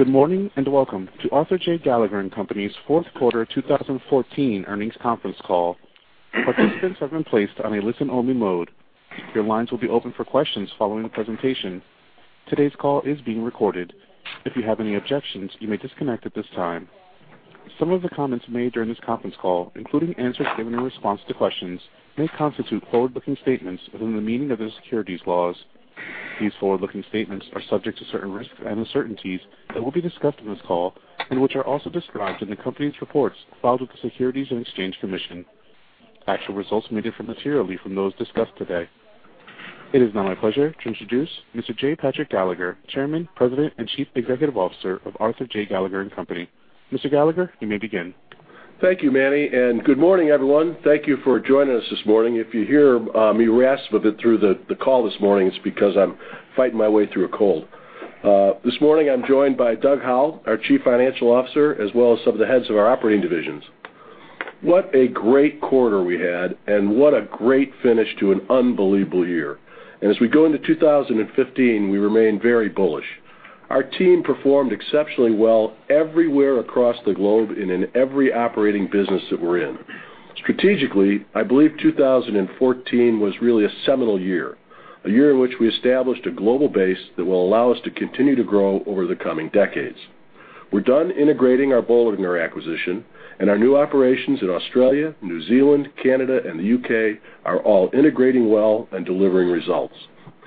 Good morning, and welcome to Arthur J. Gallagher & Company's fourth quarter 2014 earnings conference call. Participants have been placed on a listen-only mode. Your lines will be open for questions following the presentation. Today's call is being recorded. If you have any objections, you may disconnect at this time. Some of the comments made during this conference call, including answers given in response to questions, may constitute forward-looking statements within the meaning of the securities laws. These forward-looking statements are subject to certain risks and uncertainties that will be discussed on this call which are also described in the Company's reports filed with the Securities and Exchange Commission. Actual results may differ materially from those discussed today. It is now my pleasure to introduce Mr. J. Patrick Gallagher, Chairman, President, and Chief Executive Officer of Arthur J. Gallagher & Company. Mr. Gallagher, you may begin. Thank you, Manny. Good morning, everyone. Thank you for joining us this morning. If you hear me raspy a bit through the call this morning, it's because I'm fighting my way through a cold. This morning, I'm joined by Doug Howell, our Chief Financial Officer, as well as some of the heads of our operating divisions. What a great quarter we had. What a great finish to an unbelievable year. As we go into 2015, we remain very bullish. Our team performed exceptionally well everywhere across the globe and in every operating business that we're in. Strategically, I believe 2014 was really a seminal year, a year in which we established a global base that will allow us to continue to grow over the coming decades. We're done integrating our Bollinger acquisition. Our new operations in Australia, New Zealand, Canada, and the U.K. are all integrating well and delivering results.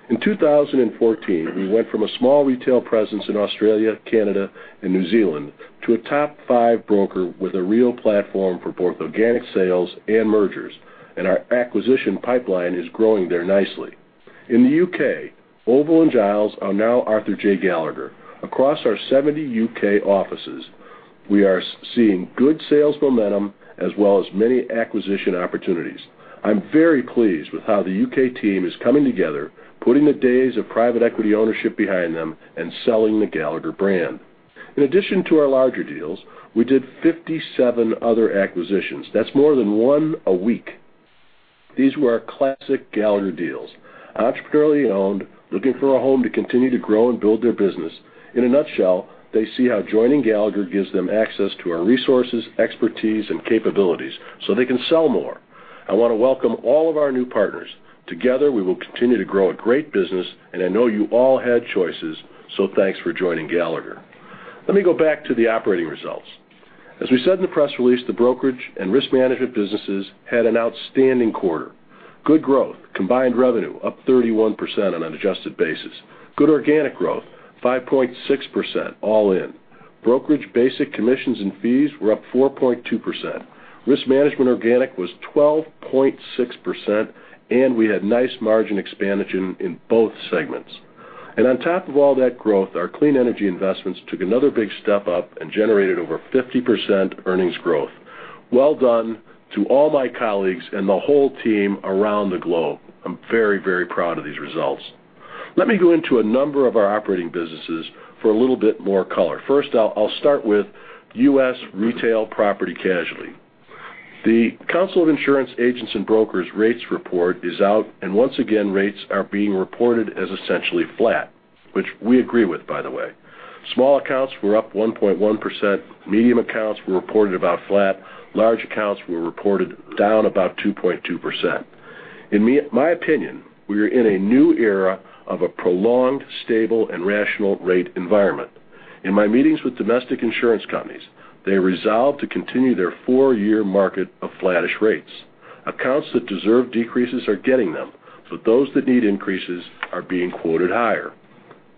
In 2014, we went from a small retail presence in Australia, Canada, and New Zealand to a top five broker with a real platform for both organic sales and mergers. Our acquisition pipeline is growing there nicely. In the U.K., Oval and Giles are now Arthur J. Gallagher. Across our 70 U.K. offices, we are seeing good sales momentum as well as many acquisition opportunities. I'm very pleased with how the U.K. team is coming together, putting the days of private equity ownership behind them, and selling the Gallagher brand. In addition to our larger deals, we did 57 other acquisitions. That's more than one a week. These were our classic Gallagher deals, entrepreneurially owned, looking for a home to continue to grow and build their business. In a nutshell, they see how joining Gallagher gives them access to our resources, expertise, and capabilities so they can sell more. I want to welcome all of our new partners. Together, we will continue to grow a great business. I know you all had choices, so thanks for joining Gallagher. Let me go back to the operating results. As we said in the press release, the brokerage and risk management businesses had an outstanding quarter. Good growth, combined revenue up 31% on an adjusted basis. Good organic growth, 5.6% all in. Brokerage basic commissions and fees were up 4.2%. Risk management organic was 12.6%. We had nice margin expansion in both segments. On top of all that growth, our clean energy investments took another big step up and generated over 50% earnings growth. Well done to all my colleagues and the whole team around the globe. I'm very, very proud of these results. Let me go into a number of our operating businesses for a little bit more color. First, I'll start with U.S. retail property casualty. The Council of Insurance Agents & Brokers rates report is out, and once again, rates are being reported as essentially flat, which we agree with, by the way. Small accounts were up 1.1%, medium accounts were reported about flat, large accounts were reported down about 2.2%. In my opinion, we are in a new era of a prolonged, stable, and rational rate environment. In my meetings with domestic insurance companies, they resolved to continue their four-year market of flattish rates. Those that need increases are being quoted higher.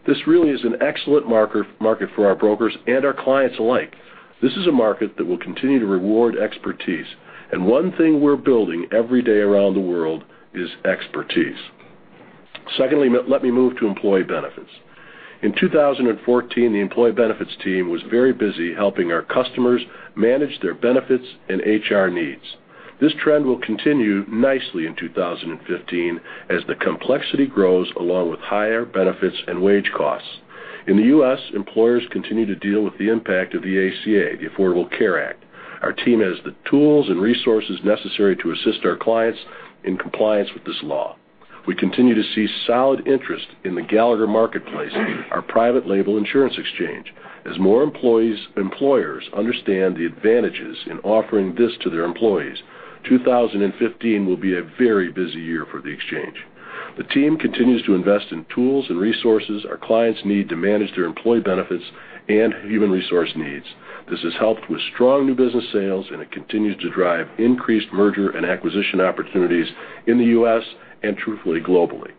This really is an excellent market for our brokers and our clients alike. This is a market that will continue to reward expertise, and one thing we're building every day around the world is expertise. Secondly, let me move to employee benefits. In 2014, the employee benefits team was very busy helping our customers manage their benefits and HR needs. This trend will continue nicely in 2015 as the complexity grows along with higher benefits and wage costs. In the U.S., employers continue to deal with the impact of the ACA, the Affordable Care Act. Our team has the tools and resources necessary to assist our clients in compliance with this law. We continue to see solid interest in the Gallagher Marketplace, our private label insurance exchange. As more employers understand the advantages in offering this to their employees, 2015 will be a very busy year for the exchange. The team continues to invest in tools and resources our clients need to manage their employee benefits and human resource needs. This has helped with strong new business sales, and it continues to drive increased merger and acquisition opportunities in the U.S. and truthfully, globally.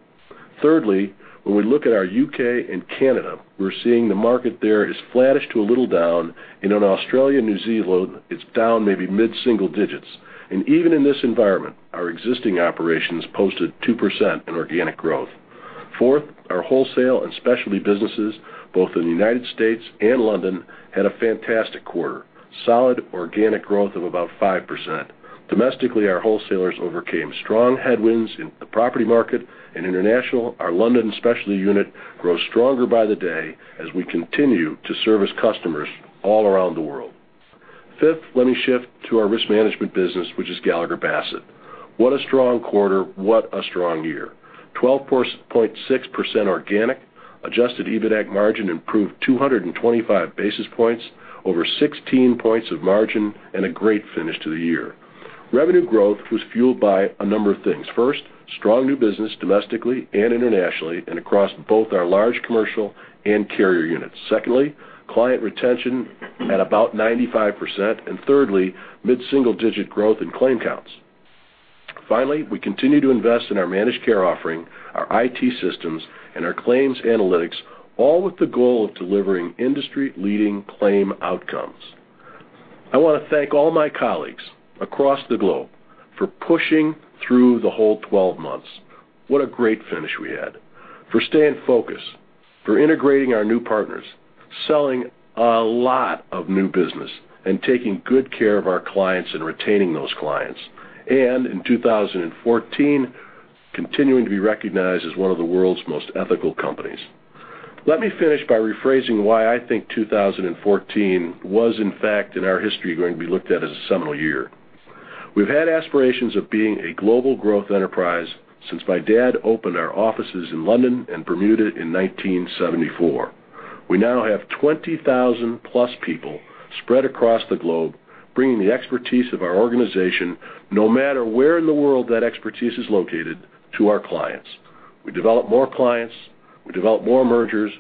Thirdly, when we look at our U.K. and Canada, we're seeing the market there is flattish to a little down. In Australia, New Zealand, it's down maybe mid-single digits. Even in this environment, our existing operations posted 2% in organic growth. Fourth, our wholesale and specialty businesses, both in the United States and London, had a fantastic quarter, solid organic growth of about 5%. Domestically, our wholesalers overcame strong headwinds in the property market. In international, our London specialty unit grows stronger by the day as we continue to service customers all around the world. Fifth, let me shift to our risk management business, which is Gallagher Bassett. What a strong quarter, what a strong year. 12.6% organic, adjusted EBITDAC margin improved 225 basis points, over 16 points of margin, and a great finish to the year. Revenue growth was fueled by a number of things. First, strong new business domestically and internationally, and across both our large commercial and carrier units. Secondly, client retention at about 95%, and thirdly, mid-single-digit growth in claim counts. Finally, we continue to invest in our managed care offering, our IT systems, and our claims analytics, all with the goal of delivering industry-leading claim outcomes. I want to thank all my colleagues across the globe for pushing through the whole 12 months. What a great finish we had. For staying focused, for integrating our new partners, selling a lot of new business, and taking good care of our clients and retaining those clients. In 2014, continuing to be recognized as one of the world's most ethical companies. Let me finish by rephrasing why I think 2014 was, in fact, in our history, going to be looked at as a seminal year. We've had aspirations of being a global growth enterprise since my dad opened our offices in London and Bermuda in 1974. We now have 20,000-plus people spread across the globe, bringing the expertise of our organization, no matter where in the world that expertise is located, to our clients. We developed more clients, we developed more mergers,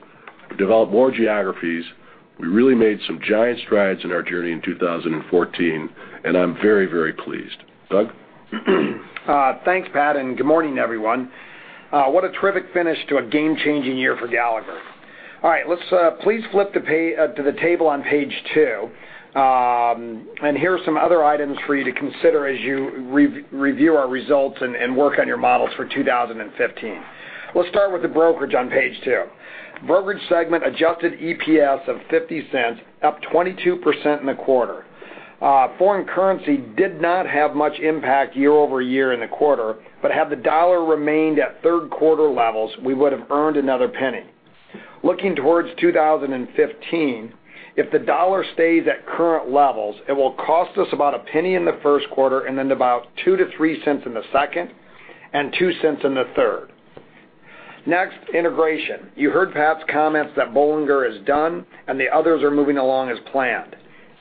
we developed more geographies. We really made some giant strides in our journey in 2014, and I'm very, very pleased. Doug? Thanks, Pat, and good morning, everyone. What a terrific finish to a game-changing year for Gallagher. All right. Let's please flip to the table on page two. Here are some other items for you to consider as you review our results and work on your models for 2015. Let's start with the brokerage on page two. Brokerage segment adjusted EPS of $0.50, up 22% in the quarter. Foreign currency did not have much impact year-over-year in the quarter, but had the dollar remained at third quarter levels, we would have earned another $0.01. Looking towards 2015, if the dollar stays at current levels, it will cost us about $0.01 in the first quarter and then about $0.02-$0.03 in the second, and $0.02 in the third. Next, integration. You heard Pat's comments that Bollinger is done and the others are moving along as planned.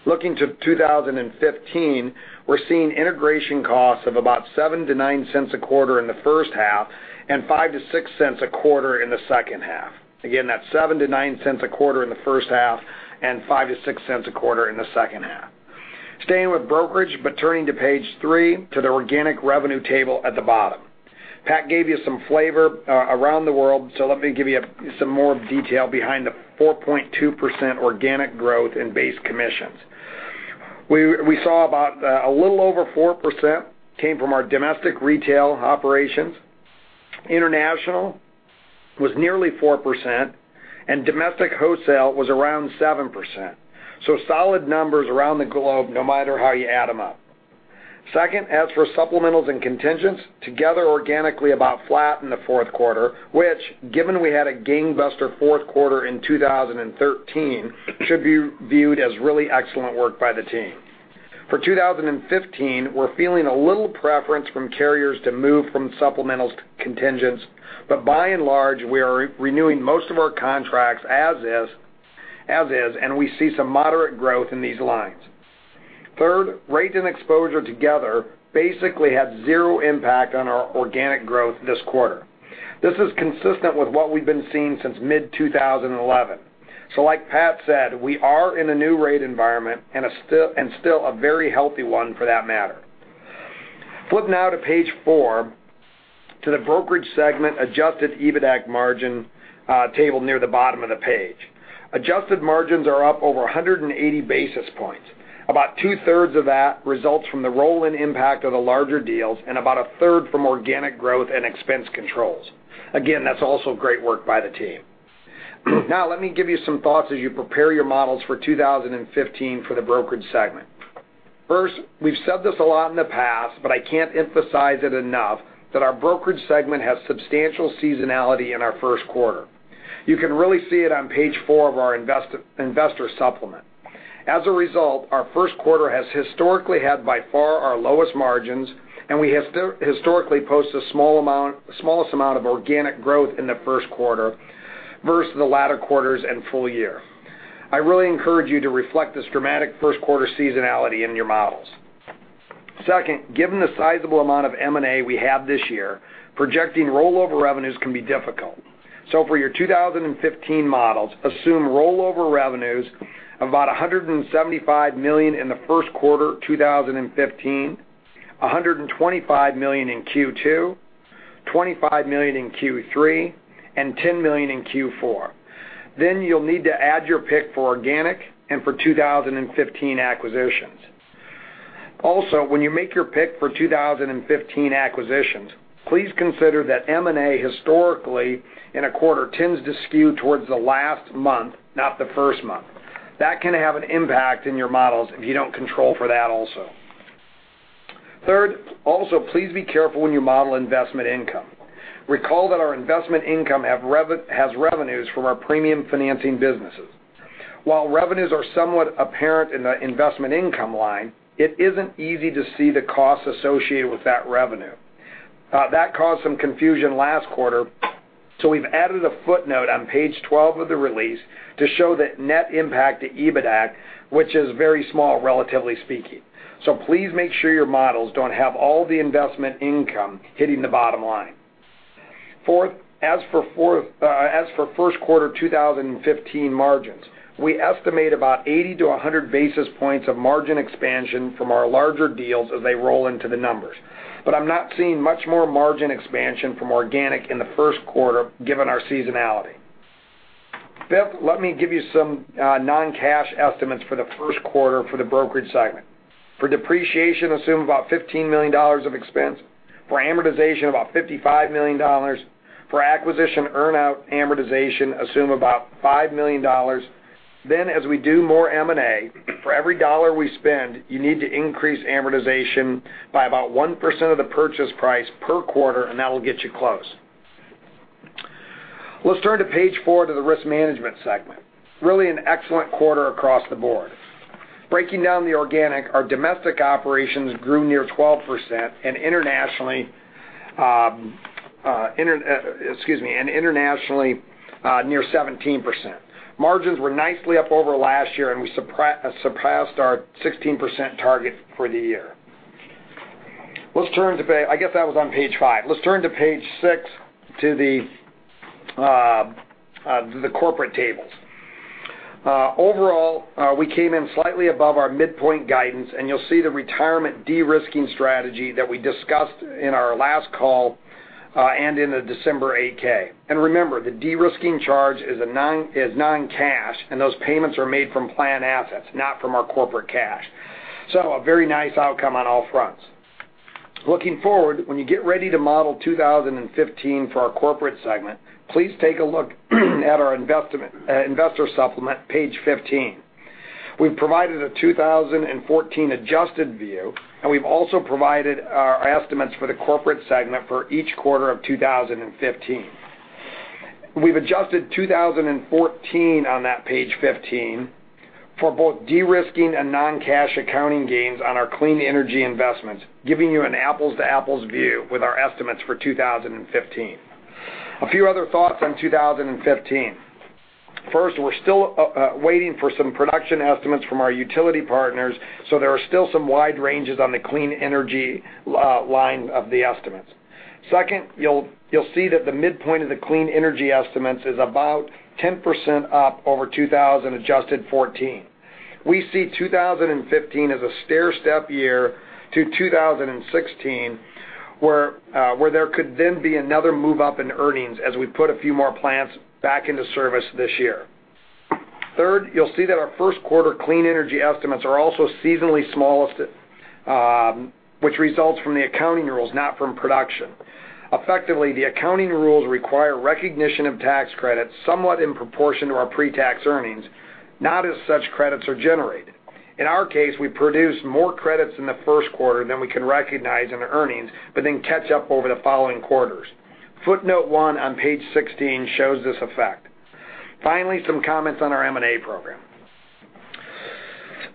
Looking to 2015, we're seeing integration costs of about $0.07-$0.09 a quarter in the first half and $0.05-$0.06 a quarter in the second half. Again, that's $0.07-$0.09 a quarter in the first half and $0.05-$0.06 a quarter in the second half. Staying with brokerage, but turning to page three, to the organic revenue table at the bottom. Pat gave you some flavor around the world, so let me give you some more detail behind the 4.2% organic growth in base commissions. We saw about a little over 4% came from our domestic retail operations. International was nearly 4%, and domestic wholesale was around 7%. Solid numbers around the globe, no matter how you add them up. Second, as for supplementals and contingents, together organically about flat in the fourth quarter, which, given we had a gangbuster fourth quarter in 2013, should be viewed as really excellent work by the team. For 2015, we're feeling a little preference from carriers to move from supplementals to contingents, by and large, we are renewing most of our contracts as is, and we see some moderate growth in these lines. Third, rates and exposure together basically had zero impact on our organic growth this quarter. This is consistent with what we've been seeing since mid-2011. Like Pat said, we are in a new rate environment, and still a very healthy one for that matter. Flipping now to page four, to the brokerage segment adjusted EBITDAC margin table near the bottom of the page. Adjusted margins are up over 180 basis points. About two-thirds of that results from the roll-in impact of the larger deals, and about a third from organic growth and expense controls. Again, that's also great work by the team. Let me give you some thoughts as you prepare your models for 2015 for the brokerage segment. First, we've said this a lot in the past, but I can't emphasize it enough that our brokerage segment has substantial seasonality in our first quarter. You can really see it on page four of our investor supplement. As a result, our first quarter has historically had by far our lowest margins, and we historically post the smallest amount of organic growth in the first quarter versus the latter quarters and full year. I really encourage you to reflect this dramatic first quarter seasonality in your models. Second, given the sizable amount of M&A we have this year, projecting rollover revenues can be difficult. For your 2015 models, assume rollover revenues about $175 million in the first quarter 2015, $125 million in Q2, $25 million in Q3, and $10 million in Q4. You'll need to add your pick for organic and for 2015 acquisitions. When you make your pick for 2015 acquisitions, please consider that M&A historically in a quarter tends to skew towards the last month, not the first month. That can have an impact in your models if you don't control for that also. Third, also please be careful when you model investment income. Recall that our investment income has revenues from our premium financing businesses. While revenues are somewhat apparent in the investment income line, it isn't easy to see the costs associated with that revenue. That caused some confusion last quarter. We've added a footnote on page 12 of the release to show the net impact to EBITDAC, which is very small, relatively speaking. Please make sure your models don't have all the investment income hitting the bottom line. Fourth, as for first quarter 2015 margins, we estimate about 80 to 100 basis points of margin expansion from our larger deals as they roll into the numbers. I'm not seeing much more margin expansion from organic in the first quarter, given our seasonality. Fifth, let me give you some non-cash estimates for the first quarter for the brokerage segment. For depreciation, assume about $15 million of expense. For amortization, about $55 million. For acquisition earn-out amortization, assume about $5 million. As we do more M&A, for every dollar we spend, you need to increase amortization by about 1% of the purchase price per quarter. That will get you close. Let's turn to page four to the Risk Management segment. Really an excellent quarter across the board. Breaking down the organic, our domestic operations grew near 12% and internationally near 17%. Margins were nicely up over last year, and we surpassed our 16% target for the year. I guess that was on page five. Let's turn to page six, to the corporate tables. Overall, we came in slightly above our midpoint guidance, and you'll see the retirement de-risking strategy that we discussed in our last call and in the December 8-K. Remember, the de-risking charge is non-cash, and those payments are made from plan assets, not from our corporate cash. A very nice outcome on all fronts. Looking forward, when you get ready to model 2015 for our corporate segment, please take a look at our investor supplement, page 15. We've provided a 2014 adjusted view, and we've also provided our estimates for the corporate segment for each quarter of 2015. We've adjusted 2014 on that page 15 for both de-risking and non-cash accounting gains on our clean energy investments, giving you an apples to apples view with our estimates for 2015. A few other thoughts on 2015. First, we're still waiting for some production estimates from our utility partners, so there are still some wide ranges on the clean energy line of the estimates. Second, you'll see that the midpoint of the clean energy estimates is about 10% up over 2014 adjusted. We see 2015 as a stairstep year to 2016, where there could then be another move up in earnings as we put a few more plants back into service this year. Third, you'll see that our first quarter clean energy estimates are also seasonally smallest, which results from the accounting rules, not from production. Effectively, the accounting rules require recognition of tax credits somewhat in proportion to our pre-tax earnings, not as such credits are generated. In our case, we produce more credits in the first quarter than we can recognize in earnings, but then catch up over the following quarters. Footnote one on page 16 shows this effect. Finally, some comments on our M&A program.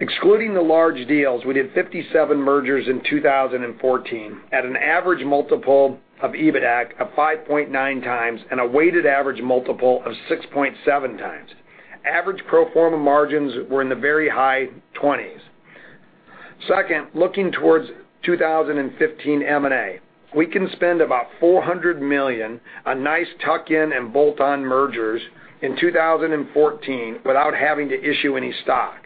Excluding the large deals, we did 57 mergers in 2014 at an average multiple of EBITDAC of 5.9 times and a weighted average multiple of 6.7 times. Average pro forma margins were in the very high 20s. Second, looking towards 2015 M&A, we can spend about $400 million on nice tuck-in and bolt-on mergers in 2014 without having to issue any stock.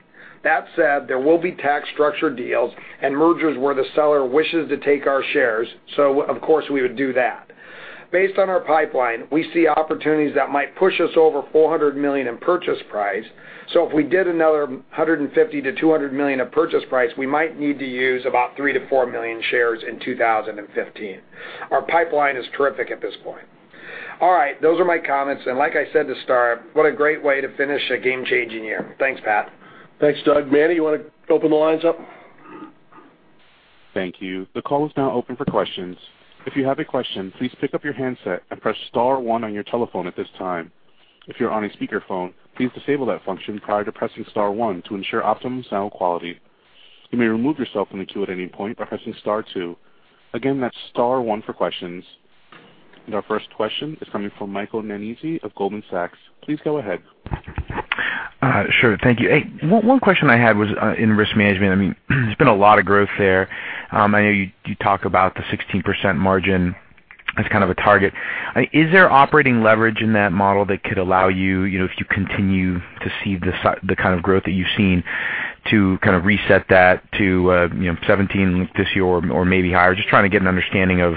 That said, there will be tax structure deals and mergers where the seller wishes to take our shares, so of course we would do that. Based on our pipeline, we see opportunities that might push us over $400 million in purchase price. If we did another $150 million-$200 million of purchase price, we might need to use about 3 million-4 million shares in 2015. Our pipeline is terrific at this point. All right. Those are my comments, and like I said at the start, what a great way to finish a game-changing year. Thanks, Pat. Thanks, Doug. Manny, you want to open the lines up? Thank you. The call is now open for questions. If you have a question, please pick up your handset and press star one on your telephone at this time. If you're on a speakerphone, please disable that function prior to pressing star one to ensure optimum sound quality. You may remove yourself from the queue at any point by pressing star two. Again, that's star one for questions. And our first question is coming from Michael Nannizzi of Goldman Sachs. Please go ahead. Sure. Thank you. One question I had was in risk management. There's been a lot of growth there. I know you talk about the 16% margin as kind of a target. Is there operating leverage in that model that could allow you, if you continue to see the kind of growth that you've seen, to kind of reset that to 17% this year or maybe higher? Just trying to get an understanding of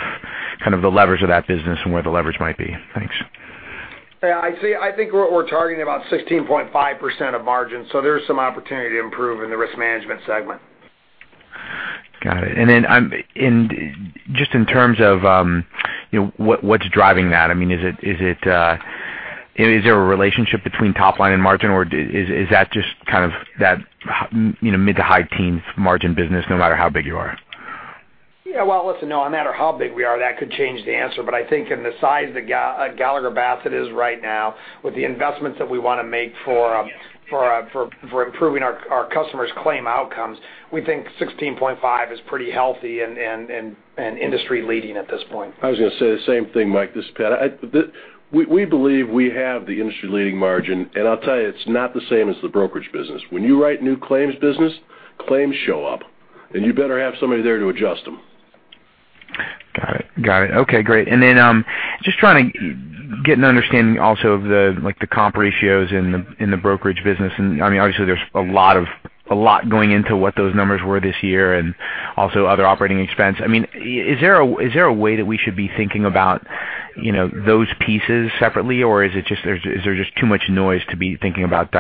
kind of the levers of that business and where the leverage might be. Thanks. Yeah, I think we're targeting about 16.5% of margin, so there's some opportunity to improve in the Risk Management segment. Got it. Then, just in terms of what's driving that, is it Is there a relationship between top line and margin, or is that just kind of that mid to high teen margin business no matter how big you are? Yeah. Well, listen, no matter how big we are, that could change the answer. I think in the size that Gallagher Bassett is right now, with the investments that we want to make for improving our customers' claim outcomes, we think 16.5% is pretty healthy and industry leading at this point. I was going to say the same thing, Mike, this is Pat. We believe we have the industry leading margin. I'll tell you, it's not the same as the brokerage business. When you write new claims business, claims show up, you better have somebody there to adjust them. Got it. Okay, great. Just trying to get an understanding also of the comp ratios in the brokerage business. Obviously, there's a lot going into what those numbers were this year and also other operating expense. Is there a way that we should be thinking about those pieces separately, or is there just too much noise to be thinking about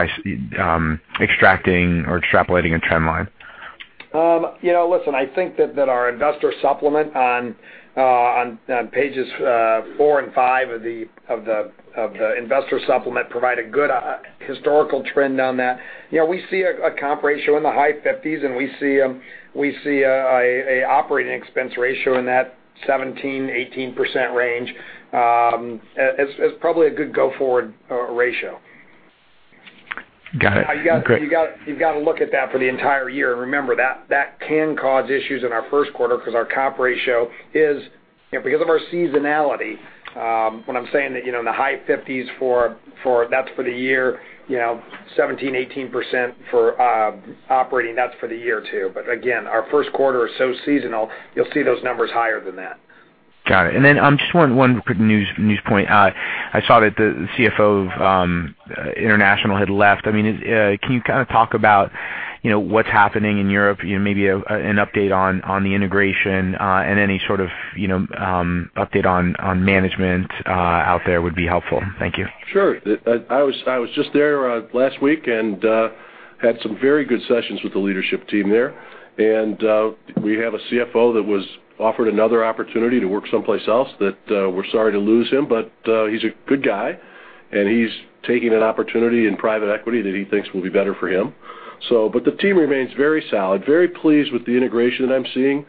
extracting or extrapolating a trend line? Listen, I think that our investor supplement on pages four and five of the investor supplement provide a good historical trend on that. We see a comp ratio in the high 50s, and we see a operating expense ratio in that 17%-18% range as probably a good go forward ratio. Got it. Great. You've got to look at that for the entire year. Remember, that can cause issues in our first quarter because our comp ratio is, because of our seasonality, when I'm saying that in the high 50s, that's for the year. 17%-18% for operating, that's for the year too. Again, our first quarter is so seasonal, you'll see those numbers higher than that. Got it. Just one quick news point. I saw that the CFO of international had left. Can you kind of talk about what's happening in Europe, maybe an update on the integration, and any sort of update on management out there would be helpful. Thank you. Sure. I was just there last week and had some very good sessions with the leadership team there. We have a CFO that was offered another opportunity to work someplace else that we're sorry to lose him, he's a good guy, and he's taking an opportunity in private equity that he thinks will be better for him. The team remains very solid, very pleased with the integration that I'm seeing.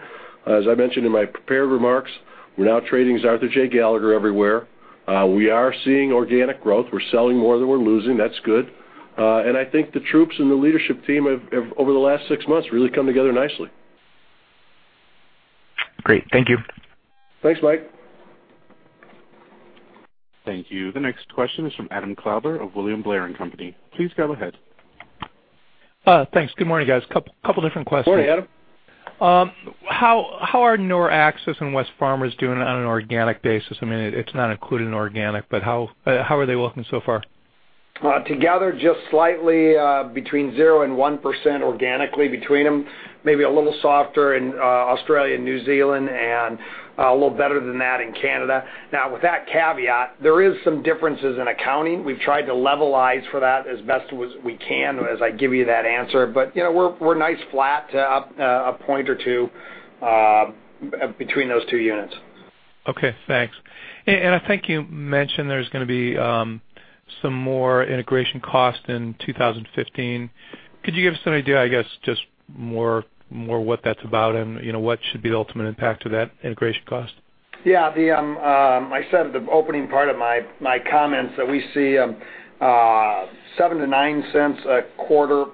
As I mentioned in my prepared remarks, we're now trading as Arthur J. Gallagher everywhere. We are seeing organic growth. We're selling more than we're losing. That's good. I think the troops and the leadership team over the last six months really come together nicely. Great. Thank you. Thanks, Mike. Thank you. The next question is from Adam Klauber of William Blair & Company. Please go ahead. Thanks. Good morning, guys. Couple different questions. Good morning, Adam. How are Noraxis and Wesfarmers doing on an organic basis? It's not included in organic, but how are they looking so far? Together, just slightly between 0%-1% organically between them. Maybe a little softer in Australia and New Zealand and a little better than that in Canada. With that caveat, there is some differences in accounting. We've tried to levelize for that as best we can as I give you that answer. We're nice flat, a point or two between those two units. Okay, thanks. I think you mentioned there's going to be some more integration cost in 2015. Could you give us an idea, I guess, just more what that's about and what should be the ultimate impact of that integration cost? Yeah. I said the opening part of my comments that we see $0.07-$0.09 a quarter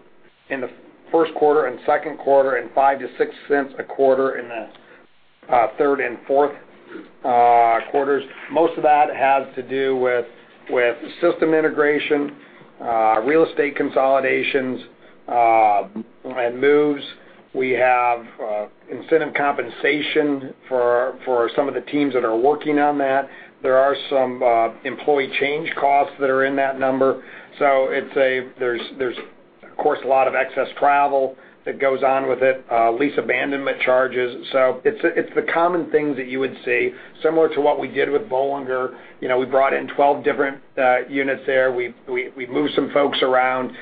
in the first quarter and second quarter and $0.05-$0.06 a quarter in the third and fourth quarters. Most of that has to do with system integration, real estate consolidations, and moves. We have incentive compensation for some of the teams that are working on that. There are some employee change costs that are in that number. There's, of course, a lot of excess travel that goes on with it, lease abandonment charges. It's the common things that you would see similar to what we did with Bollinger. We brought in 12 different units there. We moved some folks around.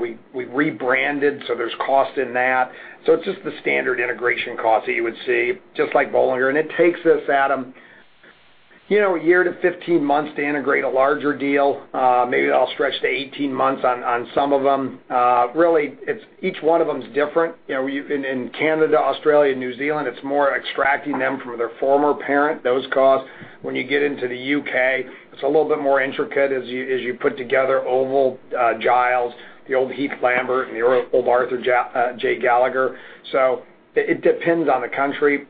We rebranded, there's cost in that. It's just the standard integration cost that you would see, just like Bollinger. It takes us, Adam, a year to 15 months to integrate a larger deal. Maybe that'll stretch to 18 months on some of them. Really, each one of them is different. In Canada, Australia, New Zealand, it's more extracting them from their former parent, those costs. When you get into the U.K., it's a little bit more intricate as you put together Oval, Giles, the old Heath Lambert, and the old Arthur J. Gallagher. It depends on the country.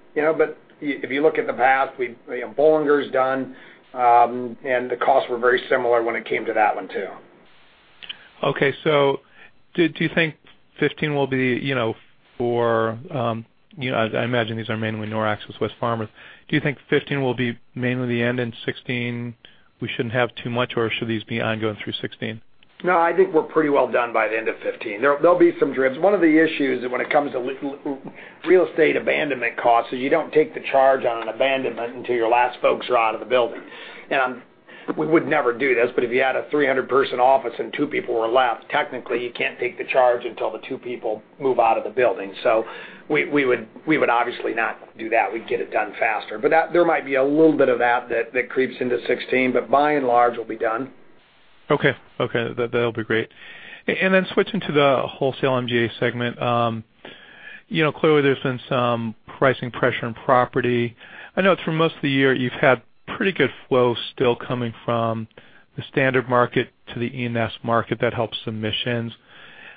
If you look at the past, Bollinger's done, and the costs were very similar when it came to that one, too. Okay. Do you think 2015 will be for-- I imagine these are mainly Noraxis with Wesfarmers. Do you think 2015 will be mainly the end in 2016, we shouldn't have too much, or should these be ongoing through 2016? No, I think we're pretty well done by the end of 2015. There'll be some drifts. One of the issues when it comes to real estate abandonment costs is you don't take the charge on an abandonment until your last folks are out of the building. We would never do this, but if you had a 300-person office and two people were left, technically, you can't take the charge until the two people move out of the building. We would obviously not do that. We'd get it done faster. There might be a little bit of that that creeps into 2016, but by and large, we'll be done. Okay. That'll be great. Then switching to the wholesale MGA segment. Clearly there's been some pricing pressure in property. I know through most of the year you've had pretty good flow still coming from the standard market to the E&S market that helps submissions.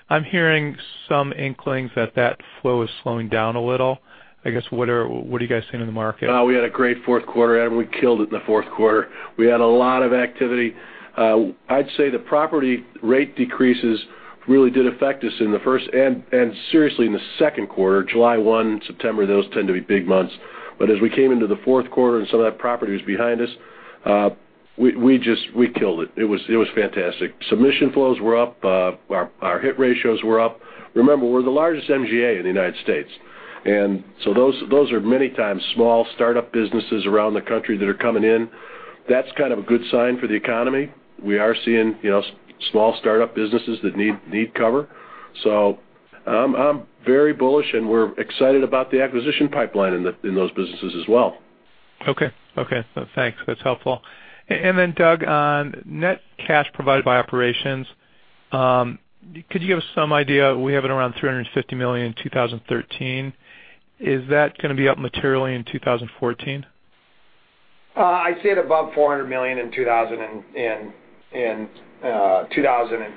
I'm hearing some inklings that that flow is slowing down a little. I guess, what are you guys seeing in the market? We had a great fourth quarter. We killed it in the fourth quarter. We had a lot of activity. I'd say the property rate decreases really did affect us in the first and seriously in the second quarter, July 1, September, those tend to be big months. As we came into the fourth quarter and some of that property was behind us, we killed it. It was fantastic. Submission flows were up. Our hit ratios were up. Remember, we're the largest MGA in the U.S., and so those are many times small startup businesses around the country that are coming in. That's kind of a good sign for the economy. We are seeing small startup businesses that need cover. I'm very bullish, and we're excited about the acquisition pipeline in those businesses as well. Okay. Thanks. That's helpful. Doug, on net cash provided by operations, could you give us some idea? We have it around $350 million in 2013. Is that going to be up materially in 2014? I'd say at above $400 million in 2015.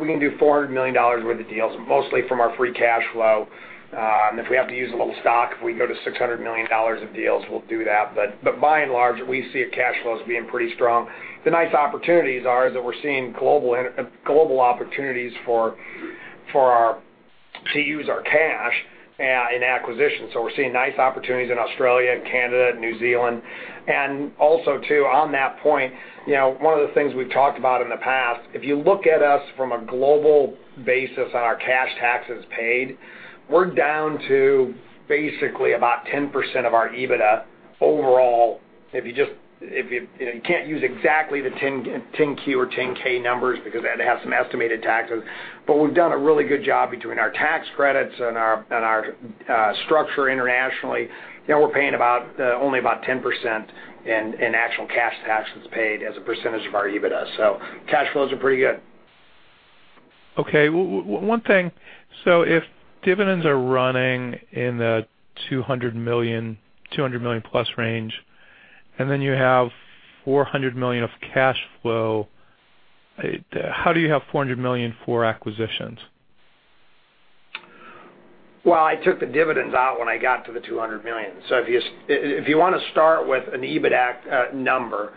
We can do $400 million worth of deals, mostly from our free cash flow. If we have to use a little stock, if we can go to $600 million of deals, we'll do that. By and large, we see our cash flows being pretty strong. The nice opportunities are that we're seeing global opportunities to use our cash in acquisitions. We're seeing nice opportunities in Australia, Canada, and New Zealand. Also too, on that point, one of the things we've talked about in the past, if you look at us from a global basis on our cash taxes paid, we're down to basically about 10% of our EBITDA overall. You can't use exactly the 10-Q or 10-K numbers because they had to have some estimated taxes. We've done a really good job between our tax credits and our structure internationally. We're paying only about 10% in actual cash taxes paid as a percentage of our EBITDA. Cash flows are pretty good. Okay. One thing. If dividends are running in the $200 million plus range, you have $400 million of cash flow, how do you have $400 million for acquisitions? Well, I took the dividends out when I got to the $200 million. If you want to start with an EBITDAC number,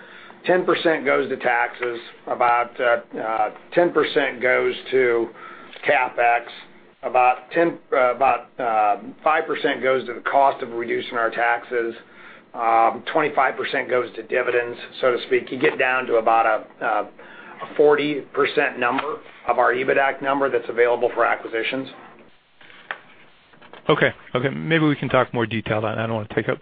10% goes to taxes, about 10% goes to CapEx, about 5% goes to the cost of reducing our taxes, 25% goes to dividends, so to speak. You get down to about a 40% number of our EBITDAC number that's available for acquisitions. Okay. Maybe we can talk more detail on that. I don't want to take up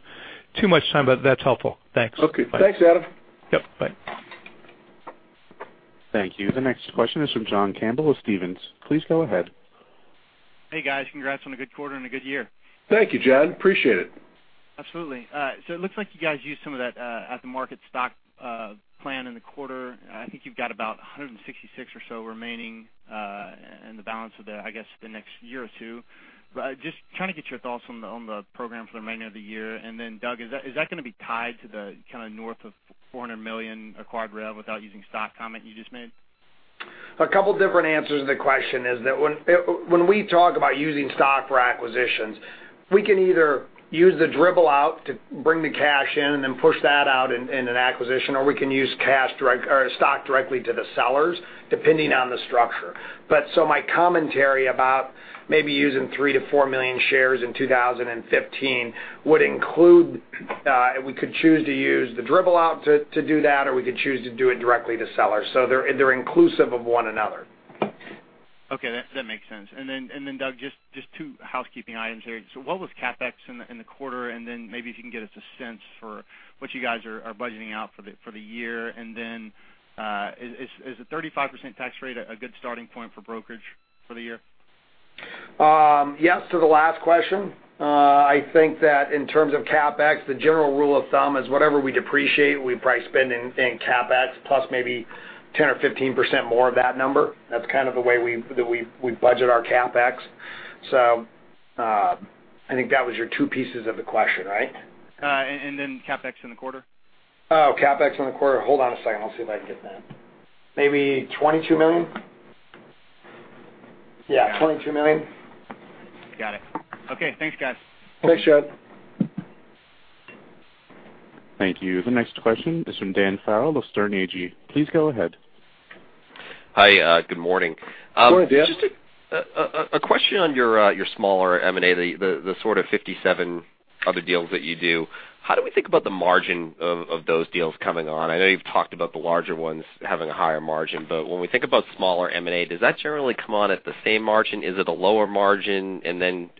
too much time, but that's helpful. Thanks. Okay. Thanks, Adam. Yep, bye. Thank you. The next question is from John Campbell of Stephens. Please go ahead. Hey, guys. Congrats on a good quarter and a good year. Thank you, John. Appreciate it. Absolutely. It looks like you guys used some of that at the market stock plan in the quarter. I think you've got about 166 or so remaining, in the balance of the, I guess, the next year or two. Just trying to get your thoughts on the program for the remainder of the year. Then Doug, is that going to be tied to the kind of north of $400 million acquired rev without using stock comment you just made? A couple different answers to the question is that when we talk about using stock for acquisitions, we can either use the dribble out to bring the cash in and then push that out in an acquisition, or we can use stock directly to the sellers, depending on the structure. My commentary about maybe using 3 million-4 million shares in 2015 would include, we could choose to use the dribble out to do that, or we could choose to do it directly to sellers. They're inclusive of one another. Okay. That makes sense. Doug, just two housekeeping items here. What was CapEx in the quarter? Maybe if you can give us a sense for what you guys are budgeting out for the year. Is a 35% tax rate a good starting point for brokerage for the year? Yes to the last question. I think that in terms of CapEx, the general rule of thumb is whatever we depreciate, we probably spend in CapEx plus maybe 10% or 15% more of that number. That's kind of the way we budget our CapEx. I think that was your two pieces of the question, right? CapEx in the quarter. CapEx in the quarter. Hold on a second. Let's see if I can get that. Maybe $22 million? Yeah, $22 million. Got it. Okay, thanks, guys. Thanks, John. Thank you. The next question is from Dan Farrell of Sterne Agee. Please go ahead. Hi. Good morning. Go ahead, Dan. Just a question on your smaller M&A, the sort of 57 other deals that you do. How do we think about the margin of those deals coming on? I know you've talked about the larger ones having a higher margin, but when we think about smaller M&A, does that generally come on at the same margin? Is it a lower margin?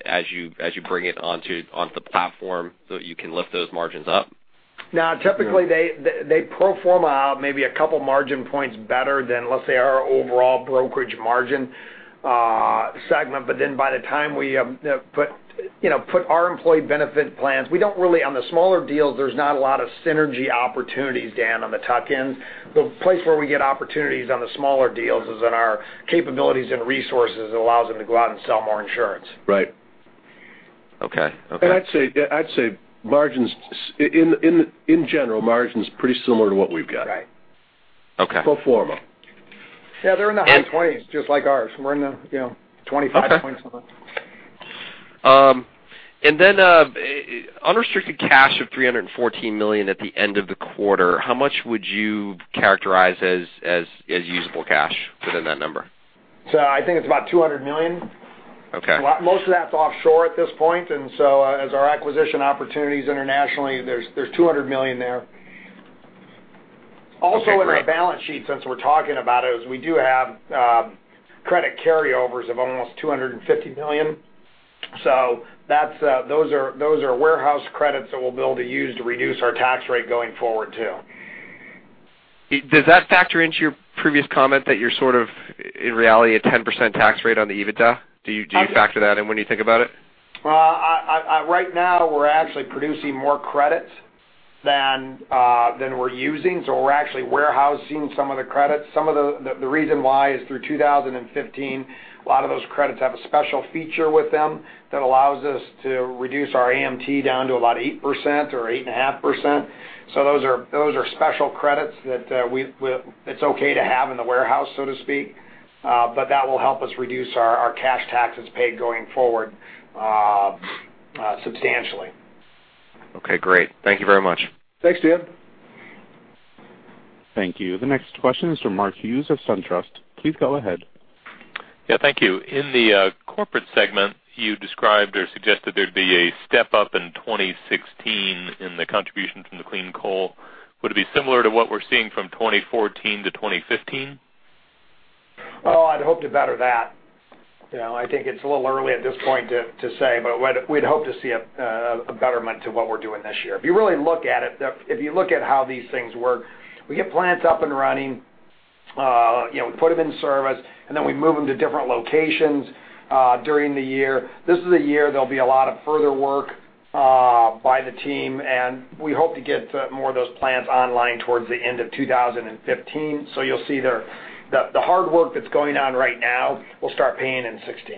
As you bring it onto the platform, you can lift those margins up? No, typically they pro forma maybe a couple margin points better than, let's say, our overall brokerage margin segment. By the time we put our employee benefit plans, on the smaller deals, there's not a lot of synergy opportunities, Dan, on the tuck-ins. The place where we get opportunities on the smaller deals is in our capabilities and resources that allows them to go out and sell more insurance. Right. Okay. I'd say, in general, margins pretty similar to what we've got. Okay. Pro forma. Yeah, they're in the high 20s, just like ours. We're in the 25, 20-something. Unrestricted cash of $314 million at the end of the quarter, how much would you characterize as usable cash within that number? I think it's about $200 million. Okay. Most of that's offshore at this point, as our acquisition opportunities internationally, there's $200 million there. Okay, great. Also in our balance sheet, since we're talking about it, is we do have credit carryovers of almost $250 million. Those are warehouse credits that we'll be able to use to reduce our tax rate going forward, too. Does that factor into your previous comment that you're sort of, in reality, a 10% tax rate on the EBITDA? Do you factor that in when you think about it? Right now, we're actually producing more credits than we're using, so we're actually warehousing some of the credits. The reason why is through 2015, a lot of those credits have a special feature with them that allows us to reduce our AMT down to about 8% or 8.5%. Those are special credits that it's okay to have in the warehouse, so to speak, but that will help us reduce our cash taxes paid going forward substantially. Okay, great. Thank you very much. Thanks, Dan. Thank you. The next question is from Mark Hughes of SunTrust. Please go ahead. Yeah, thank you. In the corporate segment, you described or suggested there'd be a step-up in 2016 in the contribution from the clean coal. Would it be similar to what we're seeing from 2014 to 2015? Oh, I'd hoped to better that. I think it's a little early at this point to say, but we'd hope to see a betterment to what we're doing this year. If you really look at it, if you look at how these things work, we get plants up and running, we put them in service, and then we move them to different locations during the year. This is a year there'll be a lot of further work by the team, and we hope to get more of those plants online towards the end of 2015. You'll see the hard work that's going on right now will start paying in 2016.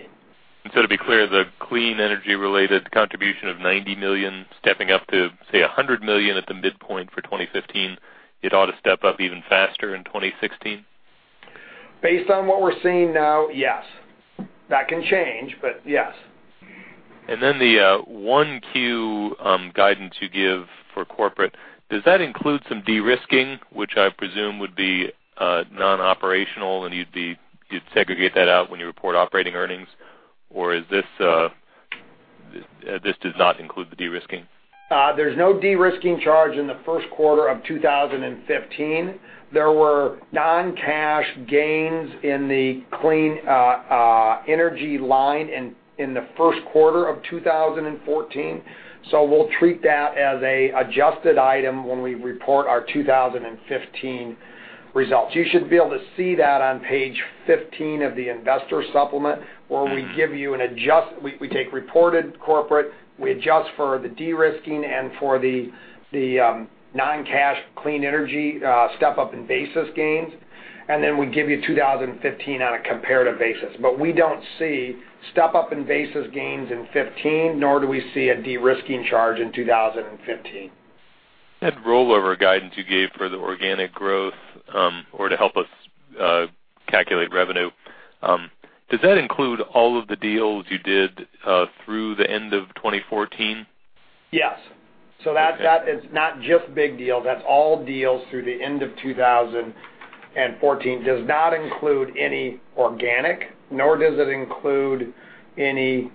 To be clear, the clean energy-related contribution of $90 million stepping up to, say, $100 million at the midpoint for 2015, it ought to step up even faster in 2016? Based on what we're seeing now, yes. That can change, but yes. Then the 1Q guidance you give for Corporate, does that include some de-risking, which I presume would be non-operational, and you'd segregate that out when you report operating earnings? This does not include the de-risking? There's no de-risking charge in the first quarter of 2015. There were non-cash gains in the clean energy line in the first quarter of 2014. We'll treat that as an adjusted item when we report our 2015 results. You should be able to see that on page 15 of the investor supplement where we take reported Corporate, we adjust for the de-risking, and for the non-cash clean energy step-up in basis gains, and then we give you 2015 on a comparative basis. We don't see step-up in basis gains in 2015, nor do we see a de-risking charge in 2015. That rollover guidance you gave for the organic growth or to help us calculate revenue, does that include all of the deals you did through the end of 2014? Yes. Okay. That is not just big deals, that's all deals through the end of 2014. Does not include any organic, nor does it include any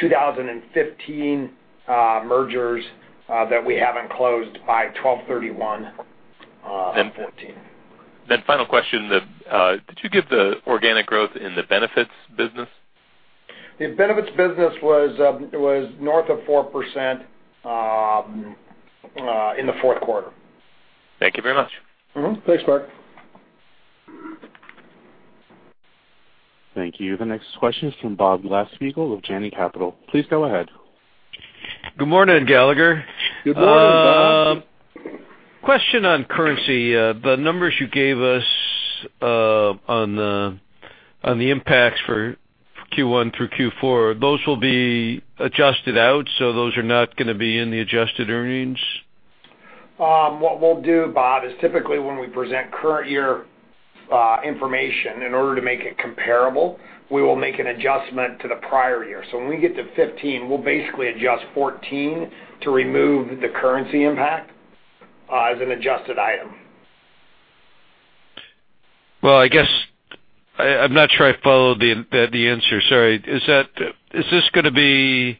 2015 mergers that we haven't closed by 12/31/2014. Final question, did you give the organic growth in the benefits business? The benefits business was north of 4% in the fourth quarter. Thank you very much. Mm-hmm. Thanks, Mark. Thank you. The next question is from Bob Glasspiegel of Janney Capital. Please go ahead. Good morning, Gallagher. Good morning, Bob. Question on currency. The numbers you gave us on the impacts for Q1 through Q4, those will be adjusted out. Those are not going to be in the adjusted earnings? What we'll do, Bob, is typically when we present current year information, in order to make it comparable, we will make an adjustment to the prior year. When we get to 2015, we'll basically adjust 2014 to remove the currency impact as an adjusted item. Well, I guess I'm not sure I followed the answer. Sorry. Is this going to be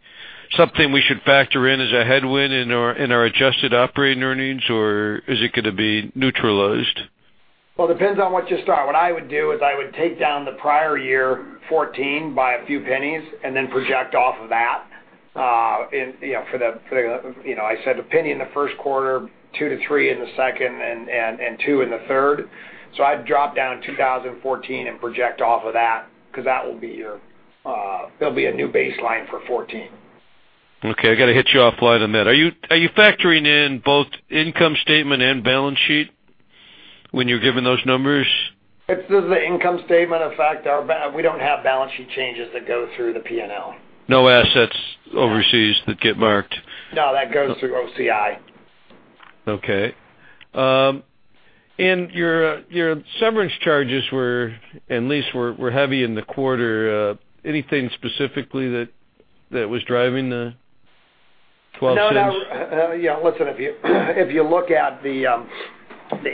something we should factor in as a headwind in our adjusted operating earnings, or is it going to be neutralized? Well, it depends on what you start. What I would do is I would take down the prior year 2014 by a few pennies and then project off of that. I said $0.01 in the first quarter, $0.02-$0.03 in the second, and $0.02 in the third. I'd drop down 2014 and project off of that because that'll be a new baseline for 2014. Okay, I got to hit you offline on that. Are you factoring in both income statement and balance sheet? When you're given those numbers? It's just the income statement effect. We don't have balance sheet changes that go through the P&L. No assets overseas that get marked? No, that goes through OCI. Okay. Your severance charges and lease were heavy in the quarter. Anything specifically that was driving the $0.12? No. Listen, if you look at the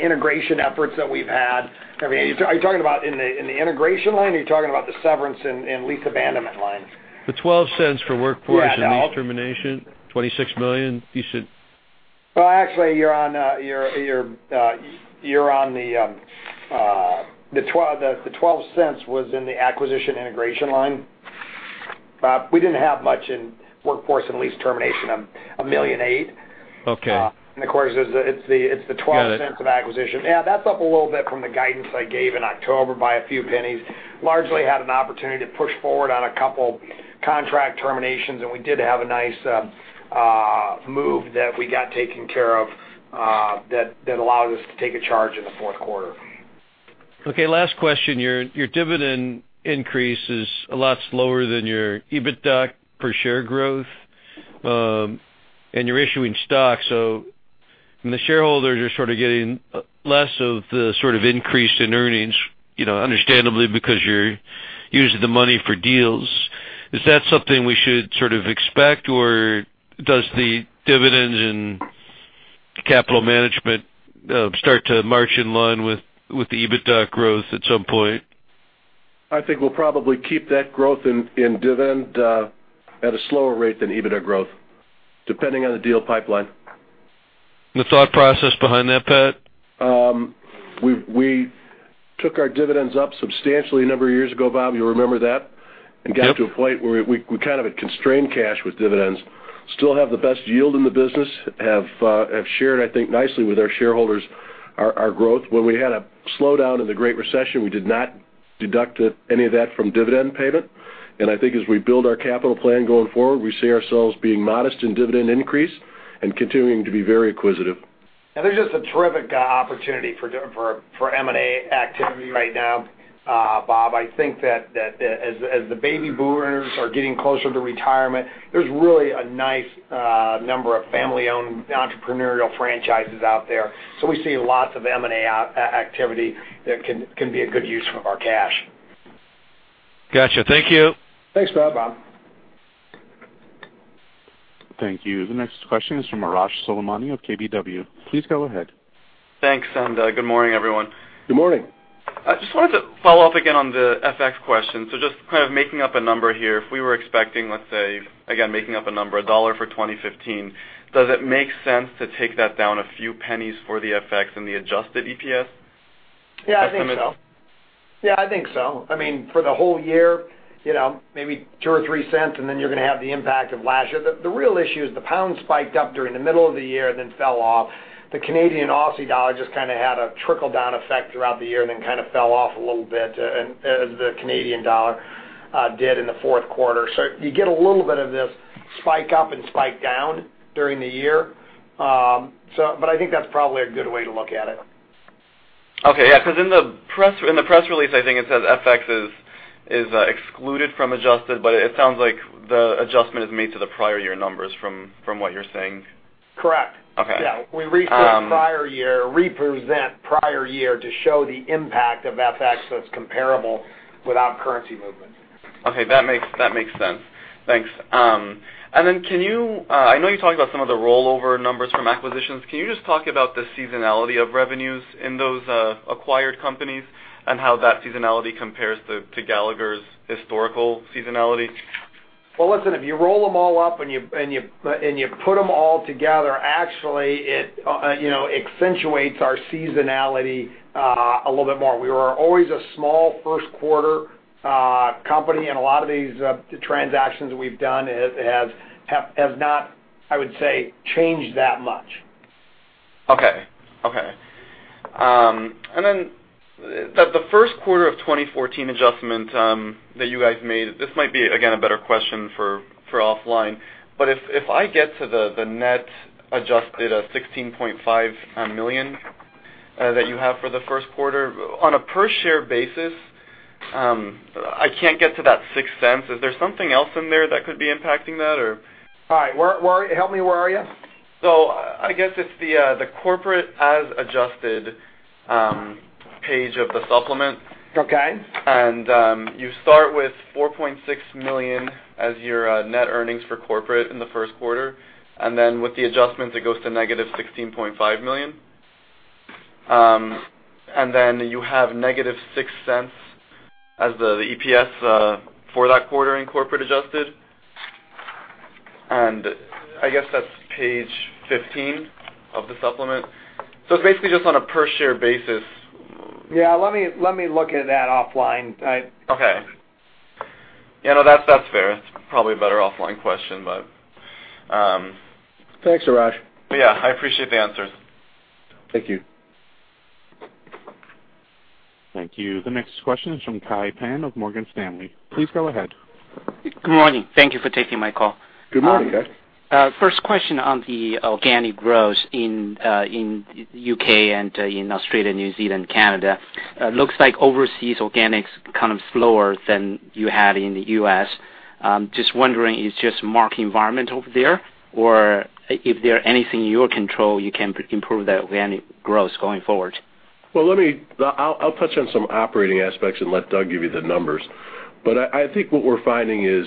integration efforts that we've had. Are you talking about in the integration line, or are you talking about the severance and lease abandonment line? The $0.12 for workforce and lease termination, $26 million, you said. Well, actually, the $0.12 was in the acquisition integration line. We didn't have much in workforce and lease termination, $1.8 million. Okay. of course, it's the $0.12. Got it. of acquisition. Yeah, that's up a little bit from the guidance I gave in October by a few pennies. Largely, had an opportunity to push forward on a couple contract terminations, and we did have a nice move that we got taken care of, that allowed us to take a charge in the fourth quarter. Okay, last question. Your dividend increase is a lot slower than your EBITDA per share growth, and you're issuing stock, so the shareholders are sort of getting less of the increase in earnings, understandably, because you're using the money for deals. Is that something we should sort of expect, or does the dividends and capital management start to march in line with the EBITDA growth at some point? I think we'll probably keep that growth in dividend at a slower rate than EBITDA growth, depending on the deal pipeline. The thought process behind that, Pat? We took our dividends up substantially a number of years ago, Bob, you remember that? Yep. Got to a point where we kind of constrained cash with dividends. Still have the best yield in the business, have shared, I think, nicely with our shareholders our growth. When we had a slowdown in the Great Recession, we did not deduct any of that from dividend payment. I think as we build our capital plan going forward, we see ourselves being modest in dividend increase and continuing to be very acquisitive. There's just a terrific opportunity for M&A activity right now, Bob. I think that as the baby boomers are getting closer to retirement, there's really a nice number of family-owned entrepreneurial franchises out there. We see lots of M&A activity that can be a good use of our cash. Got you. Thank you. Thanks, Bob. Thanks, Bob. Thank you. The next question is from Arash Soleimani of KBW. Please go ahead. Thanks, good morning, everyone. Good morning. I just wanted to follow up again on the FX question. Just kind of making up a number here, if we were expecting, let's say, again, making up a number, $1 for 2015, does it make sense to take that down a few pennies for the FX and the adjusted EPS? I think so. For the whole year, maybe $0.02 or $0.03, you're going to have the impact of last year. The real issue is the pound spiked up during the middle of the year, then fell off. The Canadian Aussie dollar just kind of had a trickle-down effect throughout the year, then kind of fell off a little bit as the Canadian dollar did in the fourth quarter. You get a little bit of this spike up and spike down during the year. I think that's probably a good way to look at it. Okay. Yeah, in the press release, I think it says FX is excluded from adjusted, it sounds like the adjustment is made to the prior year numbers from what you're saying. Correct. Okay. Yeah. We represent prior year to show the impact of FX it's comparable without currency movement. Okay. That makes sense. Thanks. I know you talked about some of the rollover numbers from acquisitions. Can you just talk about the seasonality of revenues in those acquired companies and how that seasonality compares to Gallagher's historical seasonality? Well, listen, if you roll them all up and you put them all together, actually, it accentuates our seasonality a little bit more. We were always a small first quarter company, and a lot of these transactions we've done have not, I would say, changed that much. Okay. The first quarter of 2014 adjustment that you guys made, this might be, again, a better question for offline, but if I get to the net adjusted of $16.5 million that you have for the first quarter, on a per share basis, I can't get to that $0.06. Is there something else in there that could be impacting that? All right. Help me, where are you? I guess it's the corporate as adjusted page of the supplement. Okay. You start with $4.6 million as your net earnings for corporate in the first quarter. With the adjustment, it goes to negative $16.5 million. You have negative $0.06 as the EPS for that quarter in corporate adjusted. I guess that's page 15 of the supplement. Basically just on a per share basis. Yeah, let me look at that offline. Okay. That's fair. It's probably a better offline question. Thanks, Arash. Yeah, I appreciate the answers. Thank you. Thank you. The next question is from Kai Pan of Morgan Stanley. Please go ahead. Good morning. Thank you for taking my call. Good morning, Kai. First question on the organic growth in U.K. and in Australia, New Zealand, Canada. Looks like overseas organics slower than you had in the U.S. Just wondering, is it just market environment over there, or if there anything in your control you can improve that organic growth going forward? Well, I'll touch on some operating aspects and let Doug give you the numbers. I think what we're finding is